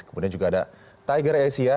kemudian juga ada tiger asia